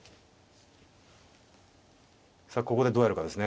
さあここでどうやるかですね。